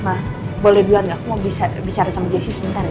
mas mas boleh bilang gak aku mau bicara sama jesse sebentar ya